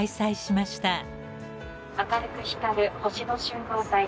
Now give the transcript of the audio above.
・明るく光る星の集合体。